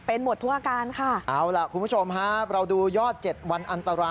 เออบางทีขับรถไกลน่ะ